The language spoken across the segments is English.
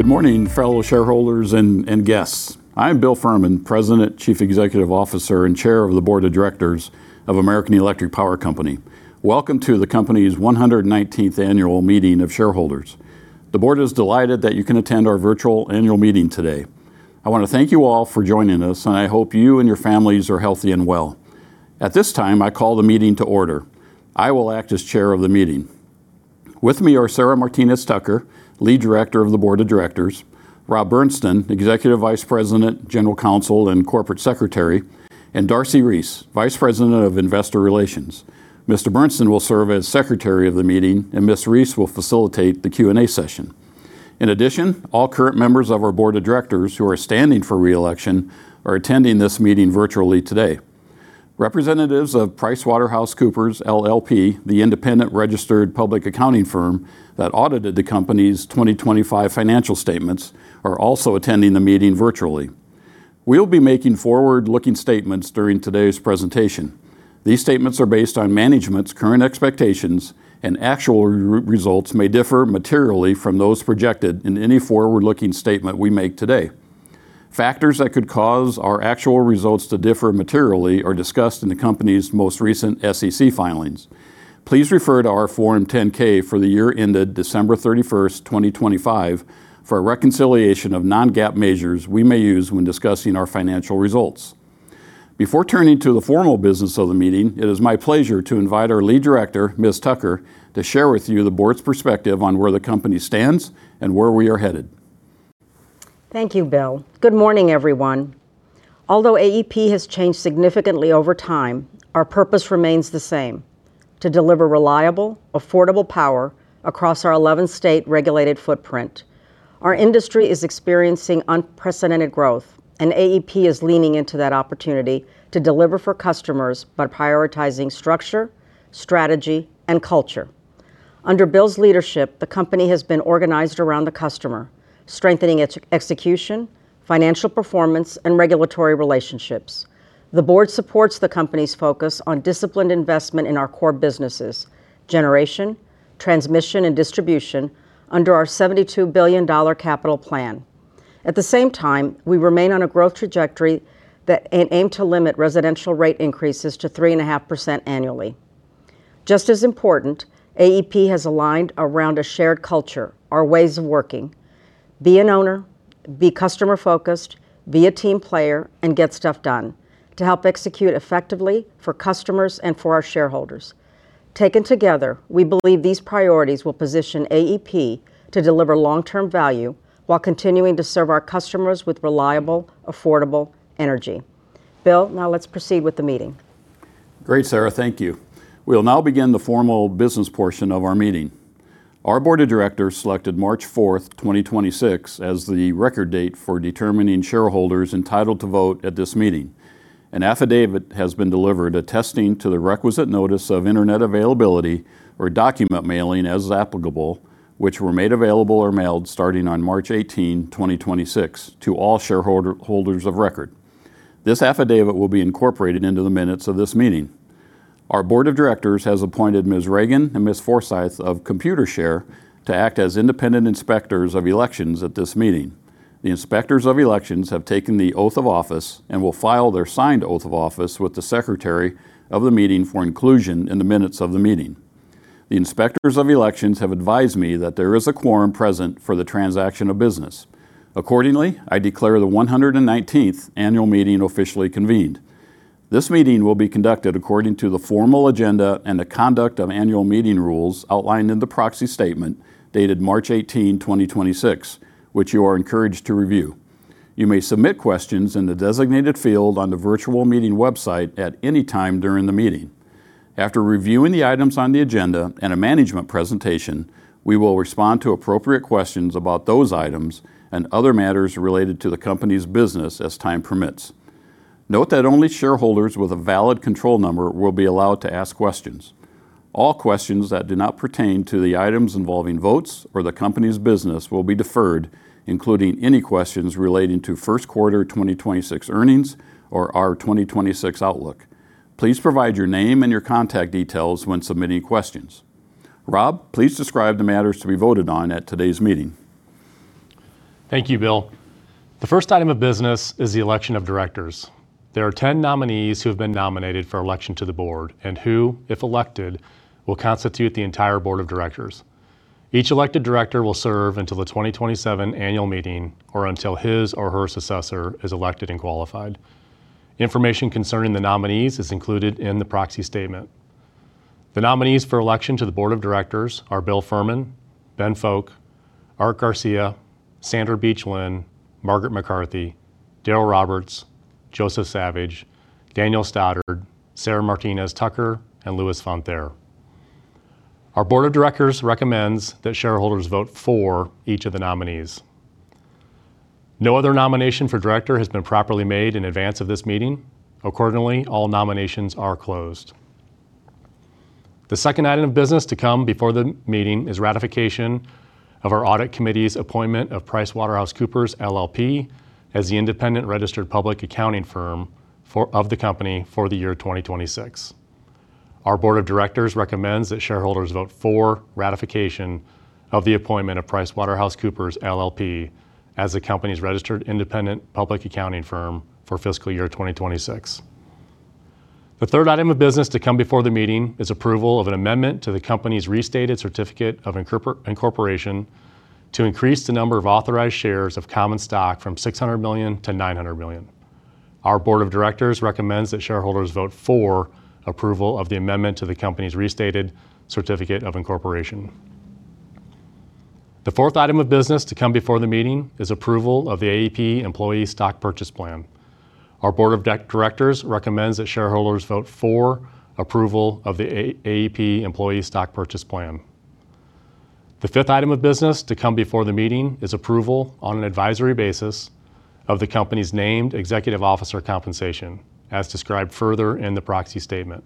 Good morning, fellow shareholders and guests. I'm William J. Fehrman, President, Chief Executive Officer, and Chair of the Board of Directors of American Electric Power Company. Welcome to the company's 119th annual meeting of shareholders. The board is delighted that you can attend our virtual annual meeting today. I wanna thank you all for joining us. I hope you and your families are healthy and well. At this time, I call the meeting to order. I will act as Chair of the meeting. With me are Sara Martinez Tucker, Lead Director of the Board of Directors, Rob Berntsen, Executive Vice President, General Counsel, and Corporate Secretary, and Darcy Reese, Vice President of Investor Relations. Mr. Berntsen will serve as Secretary of the meeting. Ms. Reese will facilitate the Q&A session. In addition, all current members of our board of directors who are standing for re-election are attending this meeting virtually today. Representatives of PricewaterhouseCoopers LLP, the independent registered public accounting firm that audited the company's 2025 financial statements, are also attending the meeting virtually. We'll be making forward-looking statements during today's presentation. These statements are based on management's current expectations, and actual results may differ materially from those projected in any forward-looking statement we make today. Factors that could cause our actual results to differ materially are discussed in the company's most recent SEC filings. Please refer to our Form 10-K for the year ended December 31st, 2025, for a reconciliation of non-GAAP measures we may use when discussing our financial results. Before turning to the formal business of the meeting, it is my pleasure to invite our Lead Director, Ms. Tucker, to share with you the board's perspective on where the company stands and where we are headed. Thank you, William. Good morning, everyone. Although AEP has changed significantly over time, our purpose remains the same: to deliver reliable, affordable power across our 11-state regulated footprint. Our industry is experiencing unprecedented growth. AEP is leaning into that opportunity to deliver for customers by prioritizing structure, strategy, and culture. Under William's leadership, the company has been organized around the customer, strengthening its execution, financial performance, and regulatory relationships. The board supports the company's focus on disciplined investment in our core businesses, generation, transmission, and distribution under our $72 billion capital plan. At the same time, we remain on a growth trajectory and aim to limit residential rate increases to 3.5% annually. Just as important, AEP has aligned around a shared culture, our ways of working. Be an owner, be customer-focused, be a team player, and get stuff done to help execute effectively for customers and for our shareholders. Taken together, we believe these priorities will position AEP to deliver long-term value while continuing to serve our customers with reliable, affordable energy. William, now let's proceed with the meeting. Great, Sara. Thank you. We'll now begin the formal business portion of our meeting. Our board of directors selected March 4th, 2026, as the record date for determining shareholders entitled to vote at this meeting. An affidavit has been delivered attesting to the requisite notice of internet availability or document mailing, as applicable, which were made available or mailed starting on March 18th, 2026, to all shareholders of record. This affidavit will be incorporated into the minutes of this meeting. Our board of directors has appointed Ms. Reagan and Ms. Forsythe of Computershare to act as independent inspectors of elections at this meeting. The inspectors of elections have taken the oath of office and will file their signed oath of office with the secretary of the meeting for inclusion in the minutes of the meeting. The inspectors of elections have advised me that there is a quorum present for the transaction of business. Accordingly, I declare the 119th annual meeting officially convened. This meeting will be conducted according to the formal agenda and the conduct of annual meeting rules outlined in the proxy statement dated March 18th, 2026, which you are encouraged to review. You may submit questions in the designated field on the virtual meeting website at any time during the meeting. After reviewing the items on the agenda and a management presentation, we will respond to appropriate questions about those items and other matters related to the company's business as time permits. Note that only shareholders with a valid control number will be allowed to ask questions. All questions that do not pertain to the items involving votes or the company's business will be deferred, including any questions relating to Q1 2026 earnings or our 2026 outlook. Please provide your name and your contact details when submitting questions. Rob, please describe the matters to be voted on at today's meeting. Thank you, William J. Fehrman. The first item of business is the election of directors. There are 10 nominees who have been nominated for election to the board and who, if elected, will constitute the entire board of directors. Each elected director will serve until the 2027 annual meeting or until his or her successor is elected and qualified. Information concerning the nominees is included in the proxy statement. The nominees for election to the board of directors are William J. Fehrman, Ben Fowke, Art Garcia, Sandra Beach Lin, Margaret M. McCarthy, Daryl Roberts, Joseph G. Sauvage, Daniel G. Stoddard, Sara Martinez Tucker, and Lewis Von Thaer. Our board of directors recommends that shareholders vote for each of the nominees. No other nomination for director has been properly made in advance of this meeting. Accordingly, all nominations are closed. The second item of business to come before the meeting is ratification of our audit committee's appointment of PricewaterhouseCoopers LLP as the independent registered public accounting firm of the company for the year 2026. Our board of directors recommends that shareholders vote for ratification of the appointment of PricewaterhouseCoopers LLP as the company's registered independent public accounting firm for fiscal year 2026. The third item of business to come before the meeting is approval of an amendment to the company's restated certificate of incorporation to increase the number of authorized shares of common stock from 600 million to 900 million. Our board of directors recommends that shareholders vote for approval of the amendment to the company's restated certificate of incorporation. The fourth item of business to come before the meeting is approval of the AEP Employee Stock Purchase Plan. Our board of directors recommends that shareholders vote for approval of the AEP Employee Stock Purchase Plan. The fifth item of business to come before the meeting is approval on an advisory basis of the company's named executive officer compensation as described further in the proxy statement.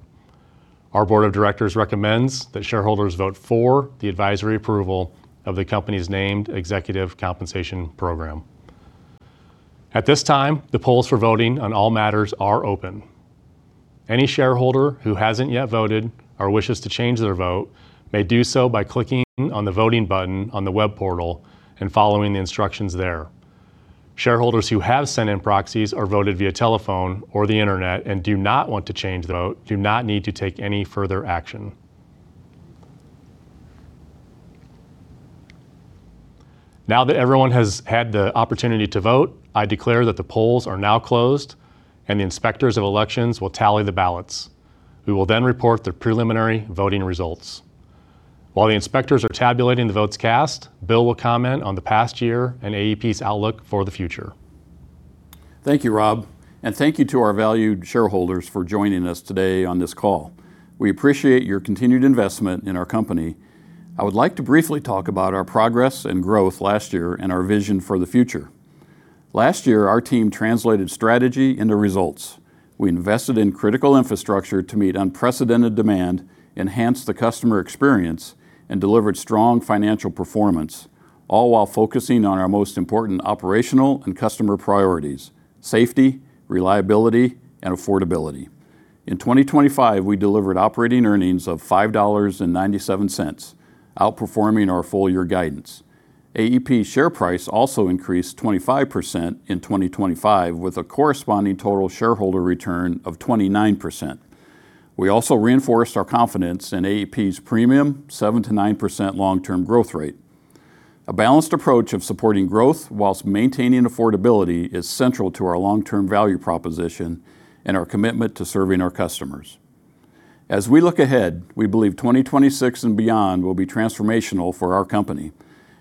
Our board of directors recommends that shareholders vote for the advisory approval of the company's named executive compensation program. At this time, the polls for voting on all matters are open. Any shareholder who hasn't yet voted or wishes to change their vote may do so by clicking on the voting button on the web portal and following the instructions there. Shareholders who have sent in proxies or voted via telephone or the internet and do not want to change the vote do not need to take any further action. Now that everyone has had the opportunity to vote, I declare that the polls are now closed, and the inspectors of elections will tally the ballots, who will then report the preliminary voting results. While the inspectors are tabulating the votes cast, William will comment on the past year and AEP's outlook for the future. Thank you, Rob, and thank you to our valued shareholders for joining us today on this call. We appreciate your continued investment in our company. I would like to briefly talk about our progress and growth last year and our vision for the future. Last year, our team translated strategy into results. We invested in critical infrastructure to meet unprecedented demand, enhanced the customer experience, and delivered strong financial performance, all while focusing on our most important operational and customer priorities, safety, reliability, and affordability. In 2025, we delivered operating earnings of $5.97, outperforming our full year guidance. AEP's share price also increased 25% in 2025, with a corresponding total shareholder return of 29%. We also reinforced our confidence in AEP's premium 7%-9% long-term growth rate. A balanced approach of supporting growth while maintaining affordability is central to our long-term value proposition and our commitment to serving our customers. As we look ahead, we believe 2026 and beyond will be transformational for our company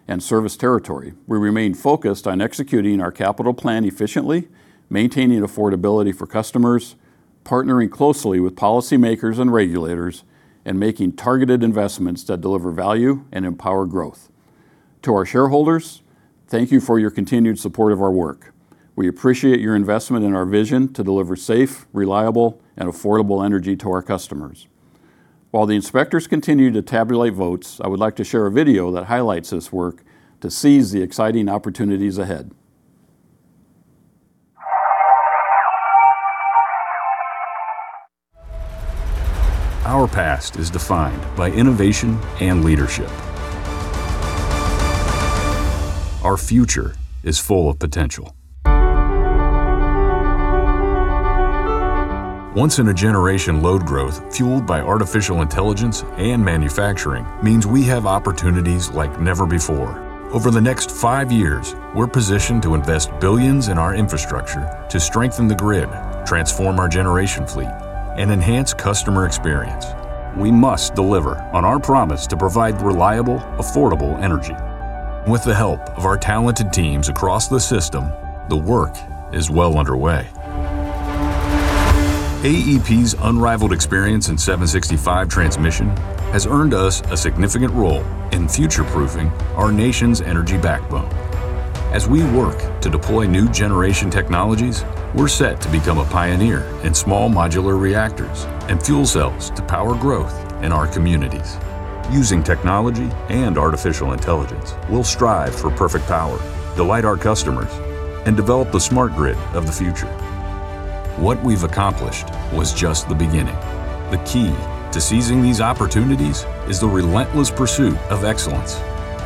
and service territory. We remain focused on executing our capital plan efficiently, maintaining affordability for customers, partnering closely with policymakers and regulators, and making targeted investments that deliver value and empower growth. To our shareholders, thank you for your continued support of our work. We appreciate your investment in our vision to deliver safe, reliable, and affordable energy to our customers. While the inspectors continue to tabulate votes, I would like to share a video that highlights this work to seize the exciting opportunities ahead. Our past is defined by innovation and leadership. Our future is full of potential. Once in a generation load growth fueled by artificial intelligence and manufacturing means we have opportunities like never before. Over the next 5 years, we're positioned to invest billions in our infrastructure to strengthen the grid, transform our generation fleet, and enhance customer experience. We must deliver on our promise to provide reliable, affordable energy. With the help of our talented teams across the system, the work is well underway. AEP's unrivaled experience in 765 kV transmission has earned us a significant role in future-proofing our nation's energy backbone. As we work to deploy new generation technologies, we're set to become a pioneer in small modular reactors and fuel cells to power growth in our communities. Using technology and artificial intelligence, we'll strive for perfect power, delight our customers, and develop the smart grid of the future. What we've accomplished was just the beginning. The key to seizing these opportunities is the relentless pursuit of excellence,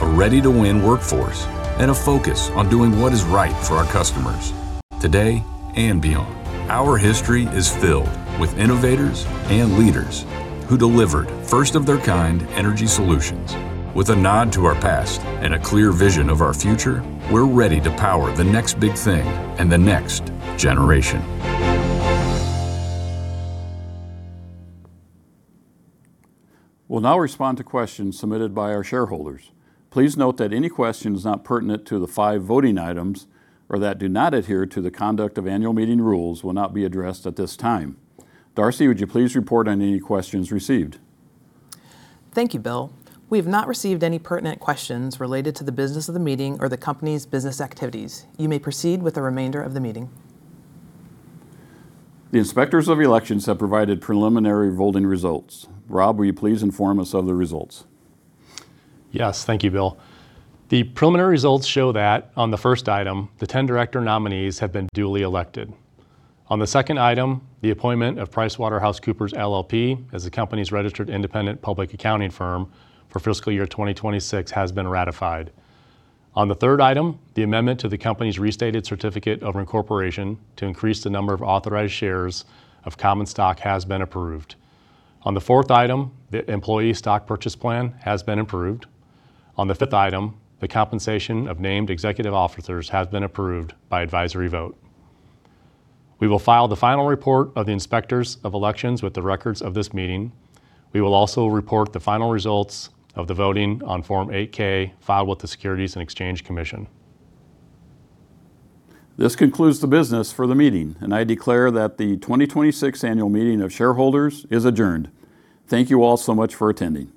a ready-to-win workforce, and a focus on doing what is right for our customers today and beyond. Our history is filled with innovators and leaders who delivered first of their kind energy solutions. With a nod to our past and a clear vision of our future, we're ready to power the next big thing and the next generation. We'll now respond to questions submitted by our shareholders. Please note that any question that's not pertinent to the five voting items or that do not adhere to the conduct of annual meeting rules will not be addressed at this time. Darcy, would you please report on any questions received? Thank you, William. We have not received any pertinent questions related to the business of the meeting or the company's business activities. You may proceed with the remainder of the meeting. The inspectors of elections have provided preliminary voting results. Rob, will you please inform us of the results? Yes. Thank you, William. The preliminary results show that on the first item, the 10 director nominees have been duly elected. On the second item, the appointment of PricewaterhouseCoopers LLP as the company's registered independent public accounting firm for fiscal year 2026 has been ratified. On the third item, the amendment to the company's restated certificate of incorporation to increase the number of authorized shares of common stock has been approved. On the fourth item, the employee stock purchase plan has been approved. On the fifth item, the compensation of named executive officers has been approved by advisory vote. We will file the final report of the inspectors of elections with the records of this meeting. We will also report the final results of the voting on Form 8-K filed with the Securities and Exchange Commission. This concludes the business for the meeting, and I declare that the 2026 Annual Meeting of Shareholders is adjourned. Thank you all so much for attending.